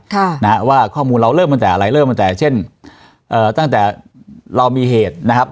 ค่ะนะฮะว่าข้อมูลเราเริ่มตั้งแต่อะไรเริ่มตั้งแต่เช่นเอ่อตั้งแต่เรามีเหตุนะครับ